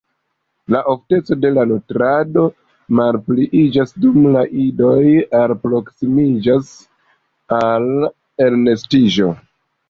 La ofteco de la nutrado malpliiĝas dum la idoj alproksimiĝas al elnestiĝo.